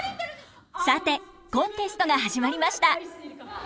さてコンテストが始まりました。